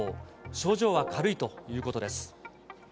症状は軽いということです。